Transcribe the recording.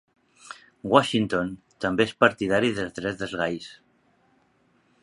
Washington també és partidari dels drets dels gais.